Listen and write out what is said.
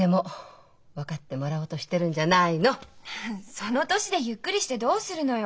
その年でゆっくりしてどうするのよ？